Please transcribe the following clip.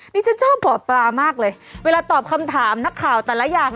นี่ฉันชอบหมอปลามากเลยเวลาตอบคำถามนักข่าวแต่ละอย่าง